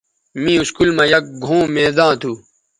می اسکول مہ یک گھؤں میداں تھو